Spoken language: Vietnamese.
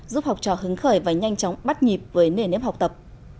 giúp học trò hứng khởi và nhanh chóng bắt nhịp với nền nếp học tập